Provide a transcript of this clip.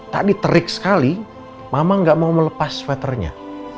tadi terik sekali mama gak mau melepas sweathernya